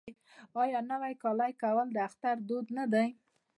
آیا نوی کالی کول د اختر دود نه دی؟